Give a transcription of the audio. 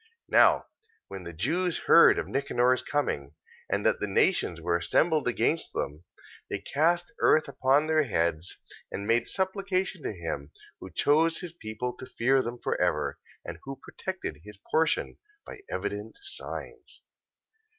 14:15. Now when the Jews heard of Nicanor's coming, and that the nations were assembled against them, they cast earth upon their heads, and made supplication to him who chose his people to keep them for ever, and who protected his portion by evident signs.